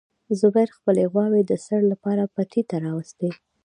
زبیر خپلې غواوې د څړ لپاره پټي ته راوستې.